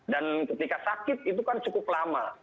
dan ketika sakit itu kan cukup lama